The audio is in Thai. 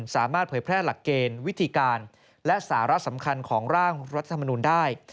เผยแพร่หลักเกณฑ์วิธีการและสาระสำคัญของร่างรัฐธรรมนูลได้